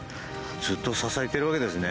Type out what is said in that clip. ずっと支えているわけですね。